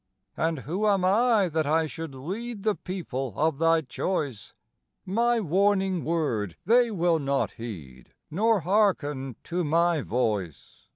"And who am I that I should lead the people of thy choice? My warning word they will not heed, nor hearken to my voice.